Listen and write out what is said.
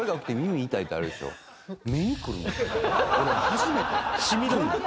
初めて。